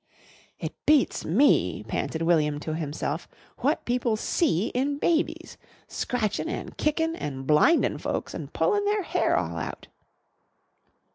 "It beats me," panted William to himself, "what people see in babies! Scratchin' an' kickin' and blindin' folks and pullin' their hair all out!"